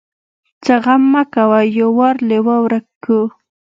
ځه غم مه کوه يو وار لېوه ورک کو.